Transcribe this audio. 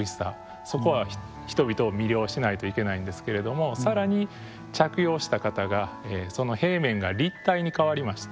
そこは人々を魅了しないといけないんですけれどもさらに着用した方がその平面が立体に変わりまして